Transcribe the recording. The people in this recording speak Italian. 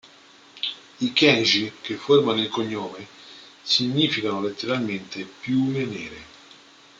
I kanji che formano il cognome significano letteralmente "piume nere".